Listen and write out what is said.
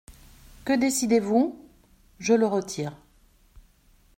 Que décidez-vous ? Je le retire.